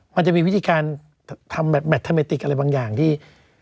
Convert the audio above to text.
มันจะมีวิธีการทำแมททาเมติกอะไรบางอย่างที่